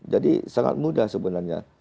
jadi sangat mudah sebenarnya